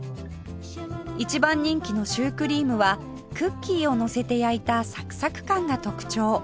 一番人気のシュークリームはクッキーをのせて焼いたサクサク感が特徴